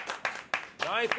ナイス！